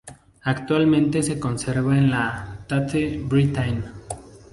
Actualmente se conserva en la Tate Britain.